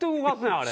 あれ。